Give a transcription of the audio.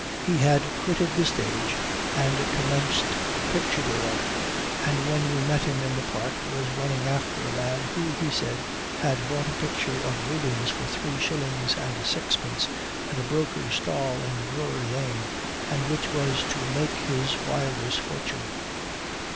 He had quitted the stage, and commenced picture dealer; and when we met him in the Park, was running after a man, who, he said, had bought a picture of Rubens for three shillings and sixpence at a broker's stall in Drury lane, and which was to make his (Wilder's) fortune.